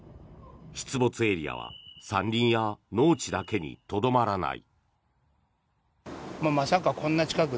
出没エリアは山林や農地だけにとどまらない。